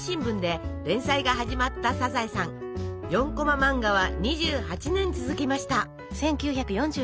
４コマ漫画は２８年続きました。